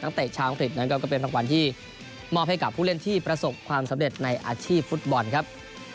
ตั้งแต่ช้างฝริตนั้นก็เป็นทางความที่มอบให้กับผู้เล่นที่ประสบความสำเร็จในอาชีพฟุตบอลครับ